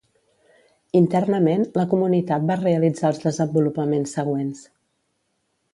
Internament la comunitat va realitzar els desenvolupaments següents.